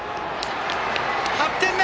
８点目！